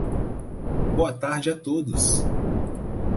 Boa tarde a todos.